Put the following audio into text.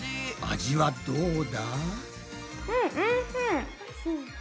味はどうだ？